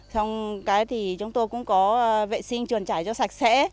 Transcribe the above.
xong cái thì chúng tôi cũng có vệ sinh truyền trải cho sạch sẽ